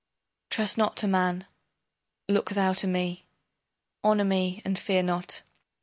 Trust not to man, look thou to me Honor me and fear not.